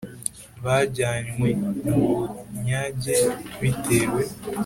Bajyanywe mu bunyage bitewe